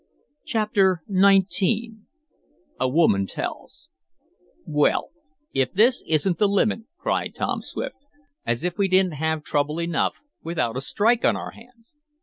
Chapter XIX A Woman Tells "Well, if this isn't the limit!" cried Tom Swift. "As if we didn't have trouble enough without a strike on our hands!"